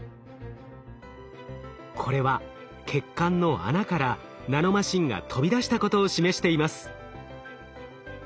これは血管の穴からナノマシンが飛び出したことを示しています。